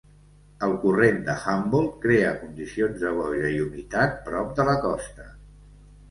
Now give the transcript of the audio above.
El corrent de Humboldt crea condicions de boira i humitat prop de la costa.